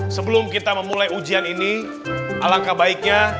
sebelum kita memulai ujian ini alangkah baiknya